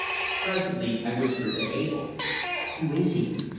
Presently I whispered to Abell, "Who is he?"